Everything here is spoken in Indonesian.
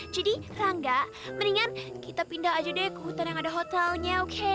jadi rangga mendingan kita pindah aja deh ke hutan yang ada hotelnya oke